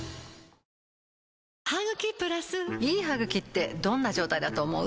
いい歯ぐきってどんな状態だと思う？